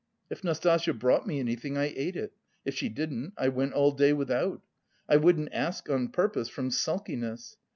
If Nastasya brought me anything, I ate it, if she didn't, I went all day without; I wouldn't ask, on purpose, from sulkiness!